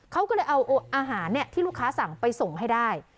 เขาก็เลยเอาอาหารที่ลูกค้าสั่งไปส่งให้ได้